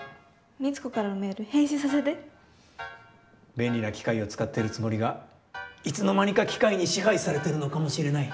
便利な機械を使ってるつもりがいつの間にか機械に支配されているのかもしれない。